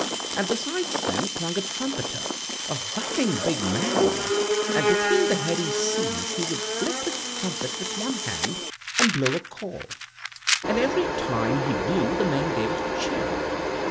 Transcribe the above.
And beside them clung a trumpeter, a whacking big man, an' between the heavy seas he would lift his trumpet with one hand, and blow a call; and every time he blew the men gave a cheer.